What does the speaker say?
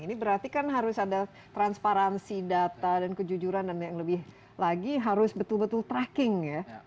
ini berarti kan harus ada transparansi data dan kejujuran dan yang lebih lagi harus betul betul tracking ya